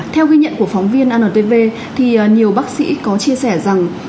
theo ghi nhận của phóng viên antv thì nhiều bác sĩ có chia sẻ rằng